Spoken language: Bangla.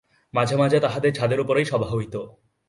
মাঝে মাঝে তাঁহাদের ছাদের উপরেই সভা হইত।